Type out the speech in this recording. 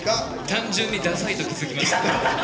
単純にダサいと気付きました。